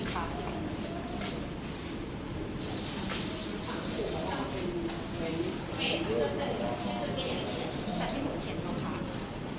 หรือว่าจะฟื้นมือจะมีความเห็นหรือเปล่านะคะ